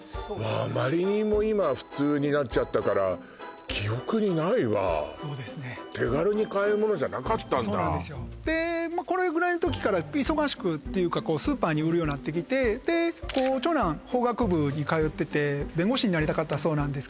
あまりにも今は普通になっちゃったから記憶にないわそうですねそうなんですよでこれぐらいの時から忙しくっていうかスーパーに売るようになってきてで長男法学部に通ってて弁護士になりたかったそうなんですけど